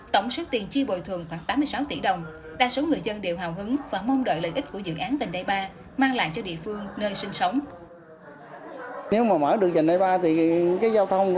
tổng số tiền chi bồi thường khoảng tám mươi sáu tỷ đồng